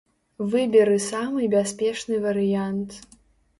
Выберы самы бяспечны варыянт.